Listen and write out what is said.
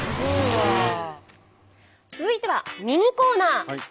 続いてはミニコーナー。